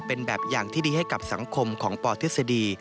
เป็นแบบอย่างที่ดีให้กับสังคมของปทฤษฎี